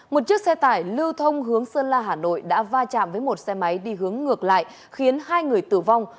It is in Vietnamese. một chiếc xe tải lưu thông hướng sơn la hà nội đã va chạm với một xe máy đi hướng ngược lại khiến hai người tử vong